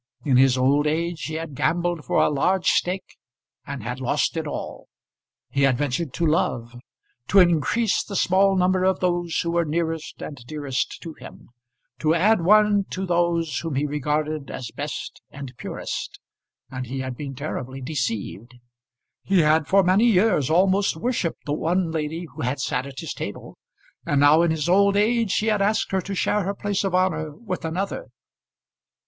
In his old age he had gambled for a large stake, and had lost it all. He had ventured to love; to increase the small number of those who were nearest and dearest to him, to add one to those whom he regarded as best and purest, and he had been terribly deceived. He had for many years almost worshipped the one lady who had sat at his table, and now in his old age he had asked her to share her place of honour with another.